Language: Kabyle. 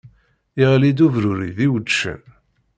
Iɣli-d ubruri d iwedcen!